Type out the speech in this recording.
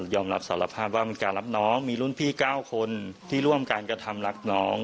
อมรับสารภาพว่ามันการรับน้องมีรุ่นพี่๙คนที่ร่วมการกระทำรักน้อง